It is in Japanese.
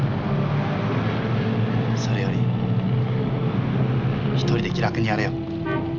それより一人で気楽にやれよ。